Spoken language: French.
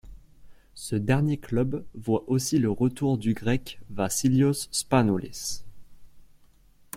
Ce dernier club voit aussi le retour du grec Vasílios Spanoúlis.